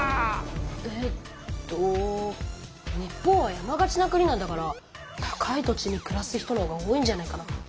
えっと日本は山がちな国なんだから高い土地にくらす人のほうが多いんじゃないかな。